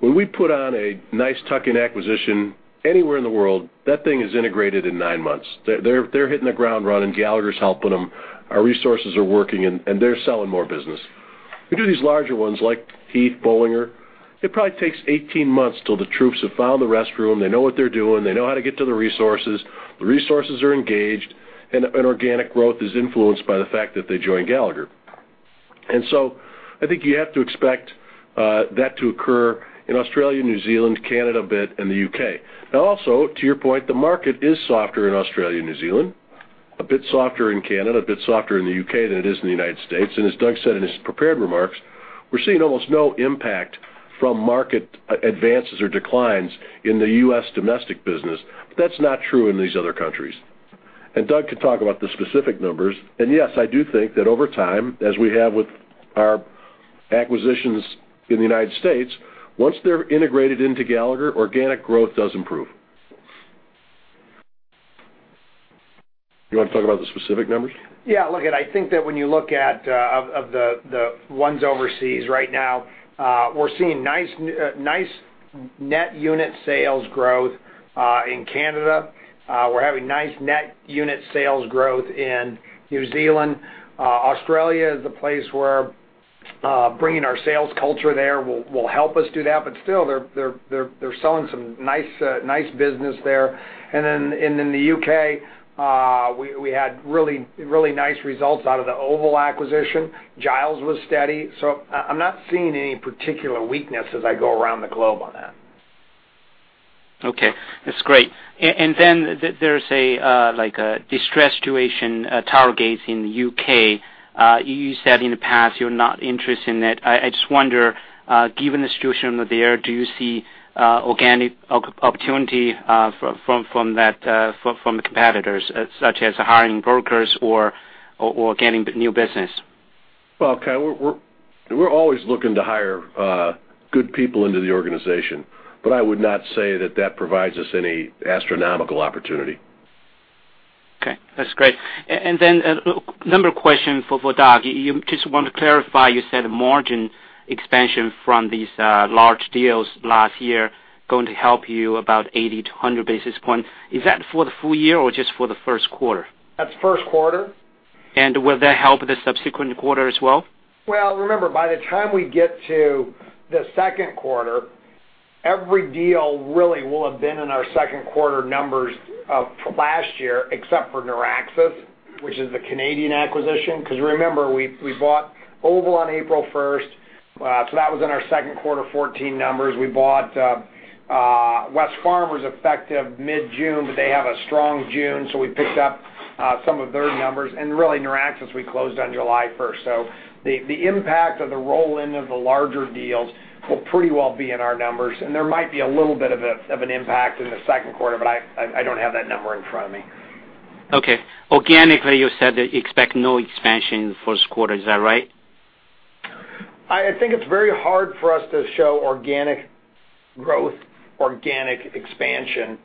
when we put on a nice tuck-in acquisition anywhere in the world, that thing is integrated in nine months. They're hitting the ground running. Gallagher's helping them. Our resources are working, and they're selling more business. We do these larger ones like Heath, Bollinger. It probably takes 18 months till the troops have found the restroom. They know what they're doing. They know how to get to the resources. The resources are engaged, and organic growth is influenced by the fact that they join Gallagher. I think you have to expect that to occur in Australia, New Zealand, Canada a bit, and the U.K. Also, to your point, the market is softer in Australia and New Zealand, a bit softer in Canada, a bit softer in the U.K. than it is in the United States. As Doug said in his prepared remarks, we're seeing almost no impact from market advances or declines in the U.S. domestic business. That's not true in these other countries. Doug can talk about the specific numbers. Yes, I do think that over time, as we have with our acquisitions in the United States, once they're integrated into Gallagher, organic growth does improve. You want to talk about the specific numbers? Yeah, look, I think that when you look at of the ones overseas right now, we're seeing nice net unit sales growth in Canada. We're having nice net unit sales growth in New Zealand. Australia is a place where bringing our sales culture there will help us do that. Still they're selling some nice business there. In the U.K., we had really nice results out of the Oval acquisition. Giles was steady. I'm not seeing any particular weakness as I go around the globe on that. Okay, that's great. There's a distressed situation, Towergate in the U.K. You said in the past you're not interested in it. I just wonder, given the situation over there, do you see organic opportunity from the competitors, such as hiring brokers or getting new business? Well, Kai, we're always looking to hire good people into the organization, I would not say that that provides us any astronomical opportunity. Okay, that's great. A number question for Doug. You just want to clarify, you said margin expansion from these large deals last year going to help you about 80 to 100 basis point. Is that for the full year or just for the first quarter? That's first quarter. Will that help the subsequent quarter as well? Well, remember, by the time we get to the second quarter, every deal really will have been in our second quarter numbers of last year, except for Noraxis, which is the Canadian acquisition. Remember, we bought Oval on April 1st, so that was in our second quarter 2014 numbers. We bought Wesfarmers effective mid-June, but they have a strong June, so we picked up some of their numbers. Really, Noraxis, we closed on July 1st. The impact of the roll-in of the larger deals will pretty well be in our numbers. There might be a little bit of an impact in the second quarter, but I don't have that number in front of me. Okay. Organically, you said that you expect no expansion in the first quarter. Is that right? I think it's very hard for us to show organic growth, organic expansion,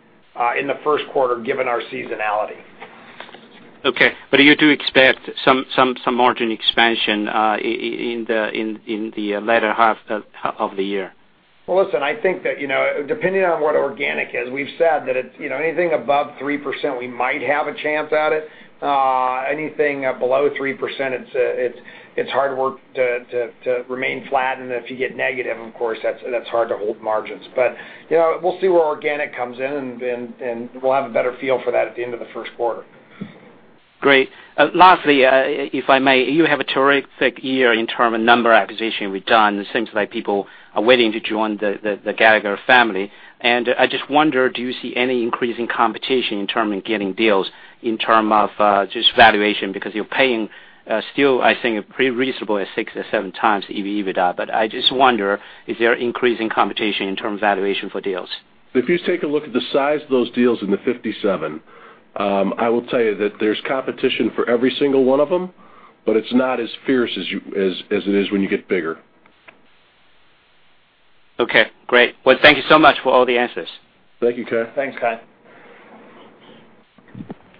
in the first quarter, given our seasonality. Okay, you do expect some margin expansion in the latter half of the year? Well, listen, I think that, depending on what organic is, we've said that anything above 3%, we might have a chance at it. Anything below 3%, it's hard work to remain flat. If you get negative, of course, that's hard to hold margins. We'll see where organic comes in, and we'll have a better feel for that at the end of the first quarter. Great. Lastly, if I may, you have a terrific year in terms of number acquisition done. It seems like people are waiting to join the Gallagher family. I just wonder, do you see any increase in competition in terms of getting deals, in terms of just valuation? Because you're paying still, I think, pretty reasonable at six or seven times the EBITDA. I just wonder, is there increasing competition in terms of valuation for deals? If you take a look at the size of those deals in the 57, I will tell you that there's competition for every single one of them, but it's not as fierce as it is when you get bigger. Okay, great. Well, thank you so much for all the answers. Thank you, Kai. Thanks, Kai.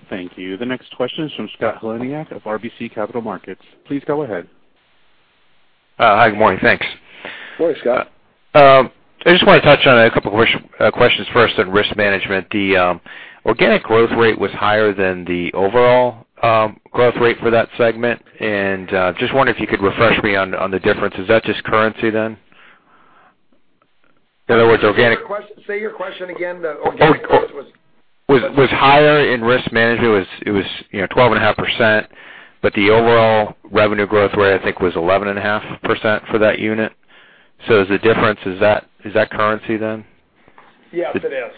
Thank you. The next question is from Scott Heleniak of RBC Capital Markets. Please go ahead. Hi, good morning. Thanks. Good morning, Scott. I just want to touch on a couple questions first on risk management. The organic growth rate was higher than the overall growth rate for that segment. Just wonder if you could refresh me on the difference. Is that just currency then? Say your question again, the organic growth was? Was higher in risk management. It was 12.5%, but the overall revenue growth rate, I think, was 11.5% for that unit. The difference, is that currency then? Yes, it is.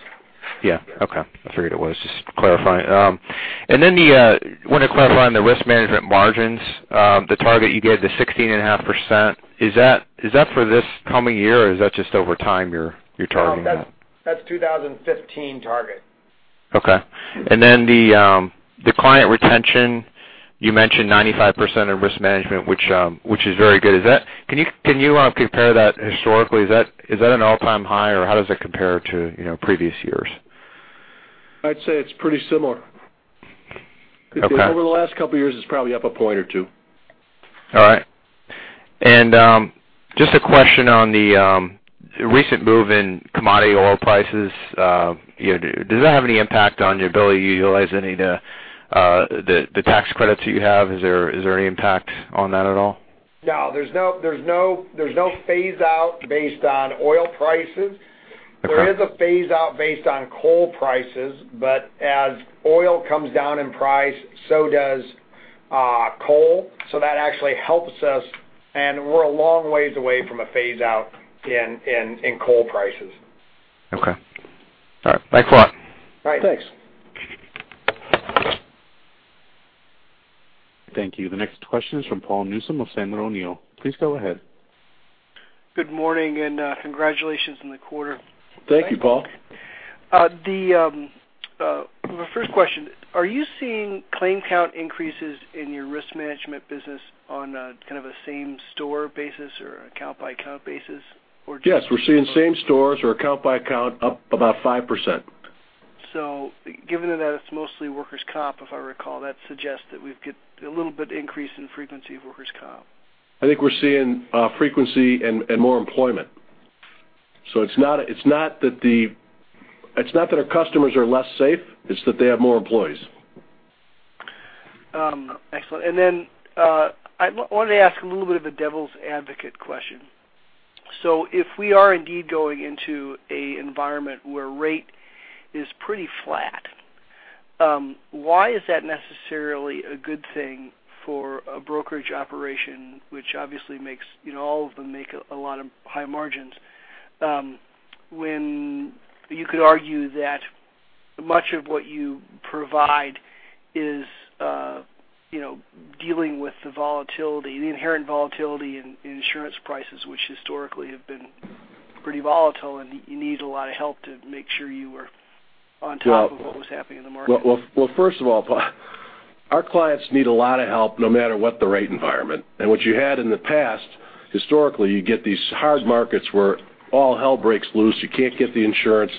Yeah. Okay. I figured it was, just clarifying. Wanted to clarify on the risk management margins, the target you gave, the 16.5%, is that for this coming year, or is that just over time you're targeting that? That's 2015 target. Okay. The client retention, you mentioned 95% of risk management, which is very good. Can you compare that historically? Is that an all-time high, or how does that compare to previous years? I'd say it's pretty similar. Okay. Over the last couple of years, it's probably up a point or two. All right. Just a question on the recent move in commodity oil prices. Does that have any impact on your ability to utilize any of the tax credits you have? Is there any impact on that at all? No, there's no phase-out based on oil prices. Okay. There is a phase-out based on coal prices. As oil comes down in price, so does coal. That actually helps us, we're a long way away from a phase-out in coal prices. Okay. All right. Thanks a lot. All right, thanks. Thank you. The next question is from Paul Newsome of Sandler O'Neill. Please go ahead. Good morning, congratulations on the quarter. Thank you, Paul. The first question, are you seeing claim count increases in your risk management business on a same store basis or account by account basis, or just? Yes, we're seeing same stores or account by account up about 5%. Given that it's mostly workers' comp, if I recall, that suggests that we've got a little bit increase in frequency of workers' comp. I think we're seeing frequency and more employment. It's not that our customers are less safe, it's that they have more employees. Excellent. I wanted to ask a little bit of a devil's advocate question. If we are indeed going into an environment where rate is pretty flat, why is that necessarily a good thing for a brokerage operation, which obviously all of them make a lot of high margins, when you could argue that much of what you provide is dealing with the volatility, the inherent volatility in insurance prices, which historically have been pretty volatile, and you need a lot of help to make sure you are on top of what was happening in the market? First of all, Paul, our clients need a lot of help no matter what the rate environment. What you had in the past, historically, you get these hard markets where all hell breaks loose. You can't get the insurance.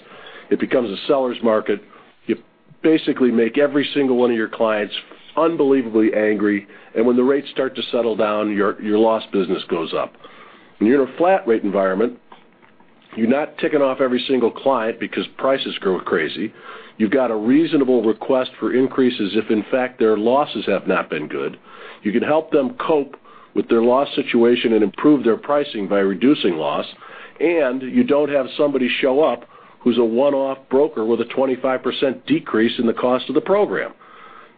It becomes a seller's market. You basically make every single one of your clients unbelievably angry. When the rates start to settle down, your loss business goes up. When you're in a flat rate environment, you're not ticking off every single client because prices go crazy. You've got a reasonable request for increases if, in fact, their losses have not been good. You can help them cope with their loss situation and improve their pricing by reducing loss, and you don't have somebody show up who's a one-off broker with a 25% decrease in the cost of the program.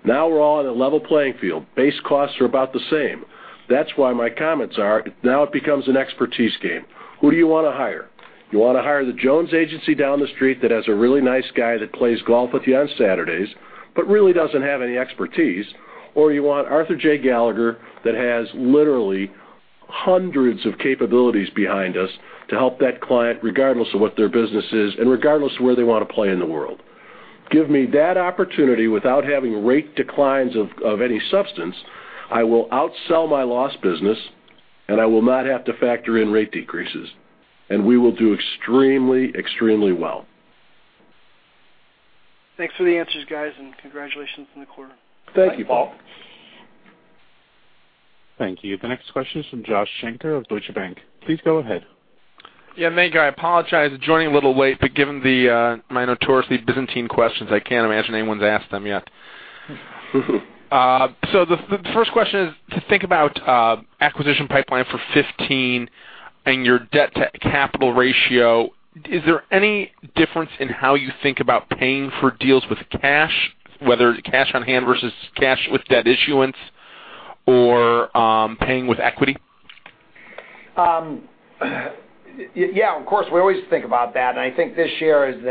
Now we're all on a level playing field. Base costs are about the same. That's why my comments are, now it becomes an expertise game. Who do you want to hire? You want to hire the Jones agency down the street that has a really nice guy that plays golf with you on Saturdays but really doesn't have any expertise, or you want Arthur J. Gallagher that has literally hundreds of capabilities behind us to help that client regardless of what their business is and regardless of where they want to play in the world. Give me that opportunity without having rate declines of any substance, I will outsell my loss business, and I will not have to factor in rate decreases, and we will do extremely well. Thanks for the answers, guys, and congratulations on the quarter. Thank you, Paul. Thank you. The next question is from Joshua Shanker of Deutsche Bank. Please go ahead. Yeah, Hank, I apologize. Joining a little late, given my notoriously byzantine questions, I can't imagine anyone's asked them yet. The first question is to think about acquisition pipeline for 2015 and your debt to capital ratio. Is there any difference in how you think about paying for deals with cash, whether cash on hand versus cash with debt issuance or paying with equity? Yeah, of course, we always think about that. I think this year is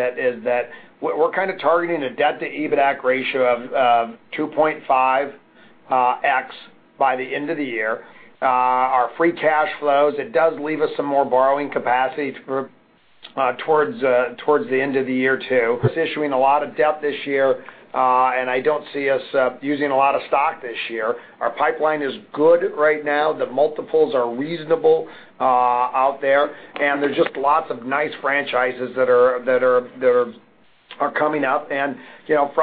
that we're kind of targeting a debt to EBITDAC ratio of 2.5x by the end of the year. Our free cash flows, it does leave us some more borrowing capacity towards the end of the year, too. We're issuing a lot of debt this year, I don't see us using a lot of stock this year. Our pipeline is good right now. The multiples are reasonable out there's just lots of nice franchises that are coming up. For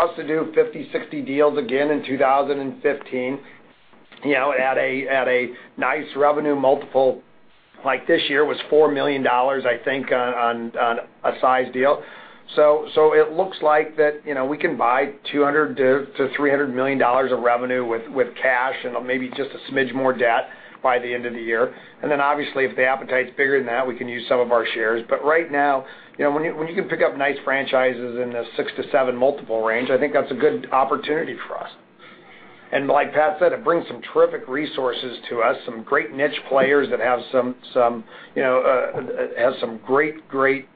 us to do 50, 60 deals again in 2015 at a nice revenue multiple, like this year was $4 million, I think, on a size deal. It looks like that we can buy $200 million-$300 million of revenue with cash and maybe just a smidge more debt by the end of the year. Obviously, if the appetite's bigger than that, we can use some of our shares. Right now, when you can pick up nice franchises in the 6 to 7 multiple range, I think that's a good opportunity for us. Like Pat said, it brings some terrific resources to us, some great niche players that have some great niche.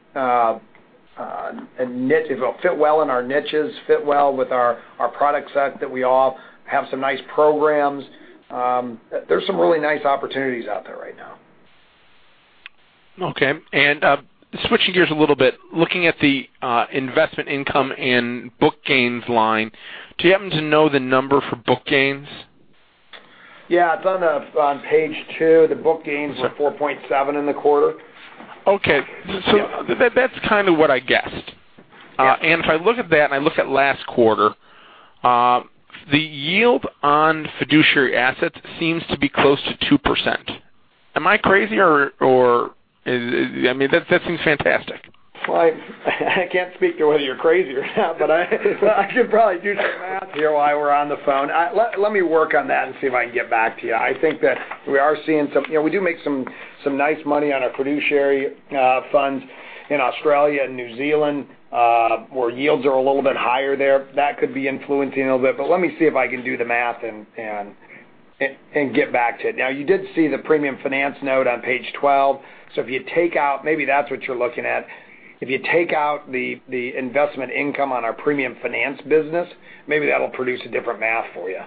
It will fit well in our niches, fit well with our product set that we have, some nice programs. There's some really nice opportunities out there right now. Okay. Switching gears a little bit, looking at the investment income and book gains line, do you happen to know the number for book gains? Yeah, it's on page two. The book gains were 4.7 in the quarter. That's kind of what I guessed. Yeah. If I look at that and I look at last quarter, the yield on fiduciary assets seems to be close to 2%. Am I crazy or I mean, that seems fantastic. Well, I can't speak to whether you're crazy or not, but I could probably do some math here while we're on the phone. Let me work on that and see if I can get back to you. I think that we are seeing We do make some nice money on our fiduciary funds in Australia and New Zealand, where yields are a little bit higher there. That could be influencing a little bit, but let me see if I can do the math and get back to it. You did see the premium finance note on page 12. If you take out, maybe that's what you're looking at. If you take out the investment income on our premium finance business, maybe that'll produce a different math for you.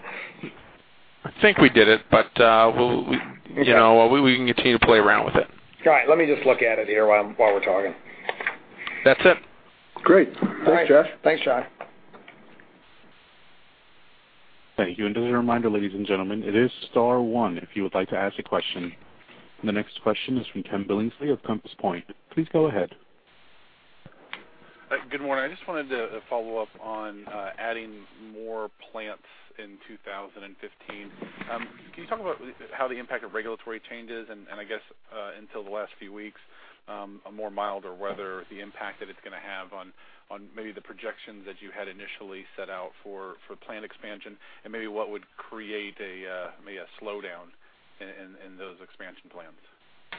I think we did it, but we can continue to play around with it. All right. Let me just look at it here while we're talking. That's it. Great. Thanks, Josh. Thanks, Josh. Thank you. As a reminder, ladies and gentlemen, it is star one if you would like to ask a question. The next question is from Ken Billingsley of Compass Point. Please go ahead. Good morning. I just wanted to follow up on adding more plants in 2015. Can you talk about how the impact of regulatory changes and I guess, until the last few weeks, a more milder weather, the impact that it's going to have on maybe the projections that you had initially set out for plant expansion and maybe what would create a slowdown in those expansion plans?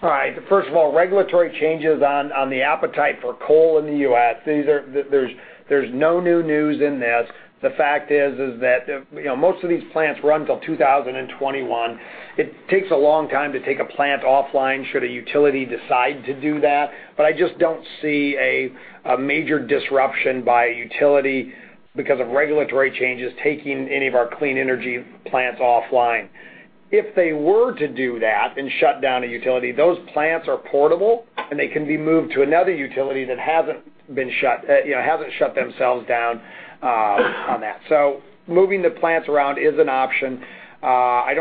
All right. First of all, regulatory changes on the appetite for coal in the U.S. There's no new news in this. The fact is that most of these plants run till 2021. It takes a long time to take a plant offline, should a utility decide to do that. I just don't see a major disruption by utility because of regulatory changes taking any of our clean energy plants offline. If they were to do that and shut down a utility, those plants are portable, and they can be moved to another utility that hasn't shut themselves down on that. Moving the plants around is an option. I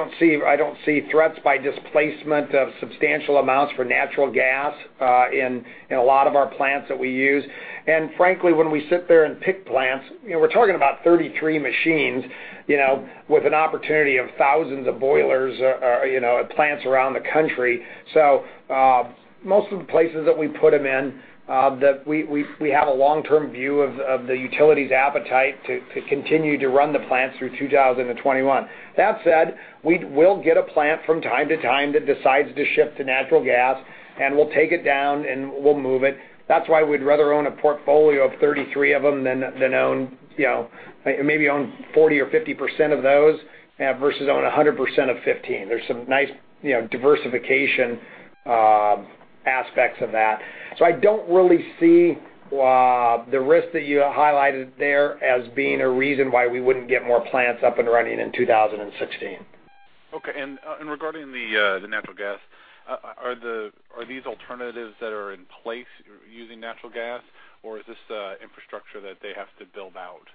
don't see threats by displacement of substantial amounts for natural gas in a lot of our plants that we use. Frankly, when we sit there and pick plants, we're talking about 33 machines, with an opportunity of thousands of boilers at plants around the country. Most of the places that we put them in, that we have a long-term view of the utility's appetite to continue to run the plants through 2021. That said, we will get a plant from time to time that decides to shift to natural gas, and we'll take it down and we'll move it. That's why we'd rather own a portfolio of 33 of them than own maybe 40% or 50% of those versus own 100% of 15. There's some nice diversification aspects of that. I don't really see the risk that you highlighted there as being a reason why we wouldn't get more plants up and running in 2016. Okay. Regarding the natural gas, are these alternatives that are in place using natural gas, or is this infrastructure that they have to build out?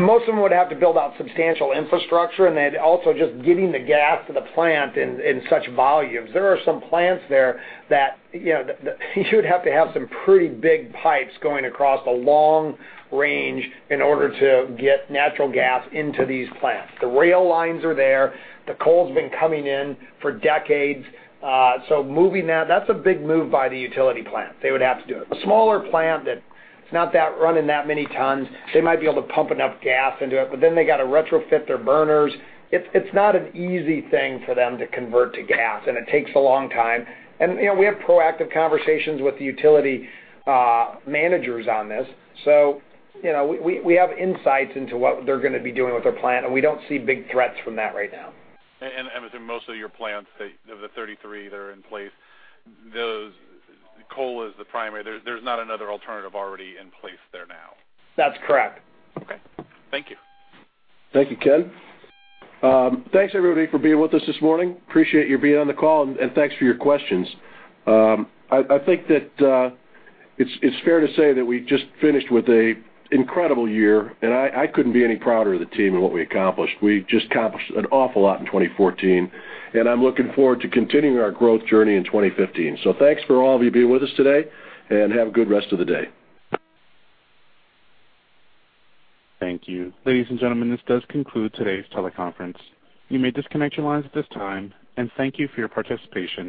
Most of them would have to build out substantial infrastructure, and then also just getting the gas to the plant in such volumes. There are some plants there that you'd have to have some pretty big pipes going across a long range in order to get natural gas into these plants. The rail lines are there. The coal's been coming in for decades. Moving that's a big move by the utility plant. They would have to do it. A smaller plant that's not running that many tons, they might be able to pump enough gas into it, but then they got to retrofit their burners. It's not an easy thing for them to convert to gas, and it takes a long time. We have proactive conversations with the utility managers on this. We have insights into what they're going to be doing with their plant, and we don't see big threats from that right now. As in most of your plants, the 33 that are in place, coal is the primary. There's not another alternative already in place there now. That's correct. Okay. Thank you. Thank you, Ken. Thanks everybody for being with us this morning. Appreciate you being on the call and thanks for your questions. I think that it's fair to say that we just finished with an incredible year, and I couldn't be any prouder of the team and what we accomplished. We just accomplished an awful lot in 2014, and I'm looking forward to continuing our growth journey in 2015. Thanks for all of you being with us today and have a good rest of the day. Thank you. Ladies and gentlemen, this does conclude today's teleconference. You may disconnect your lines at this time, and thank you for your participation.